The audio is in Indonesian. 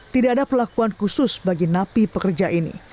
tidak ada perlakuan khusus bagi napi pekerja ini